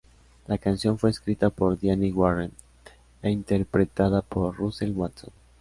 La canción fue escrita por Diane Warren e interpretada por Russell Watson.